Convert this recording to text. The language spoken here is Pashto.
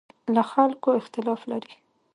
له خلکو اختلاف لري.